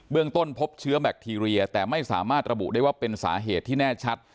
ต้นพบเชื้อแบคทีเรียแต่ไม่สามารถระบุได้ว่าเป็นสาเหตุที่แน่ชัด